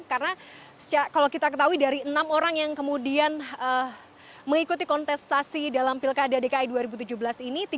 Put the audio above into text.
karena kalau kita ketahui dari enam orang yang kemudian mengikuti kontestasi dalam pilkada dki dua ribu tujuh belas ini